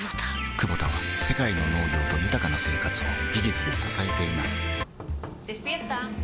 クボタは世界の農業と豊かな生活を技術で支えています起きて。